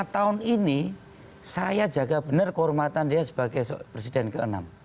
lima tahun ini saya jaga benar kehormatan dia sebagai presiden ke enam